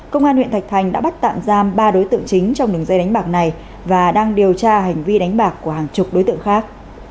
công an huyện thạch thành đã bắt tạm giam ba đối tượng chính trong đường dây đánh bạc này và đang điều tra hành vi đánh bạc của hàng chục đối tượng khác